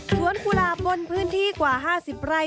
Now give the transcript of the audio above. กุหลาบบนพื้นที่กว่า๕๐ไร่